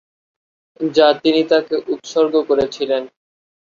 যা তিনি তাকে উৎসর্গ করেছিলেন।